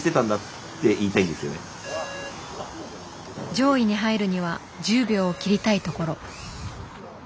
上位に入るには１０秒を切りたいところ。